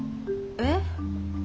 えっ？